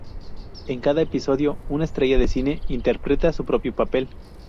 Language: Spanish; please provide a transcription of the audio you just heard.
En cada episodio, una estrella de cine interpreta su propio papel.